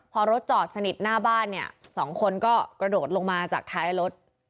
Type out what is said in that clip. พอรถจอดสนิทหน้าบ้านเนี่ยสองคนก็กระโดดลงมาจากท้ายรถ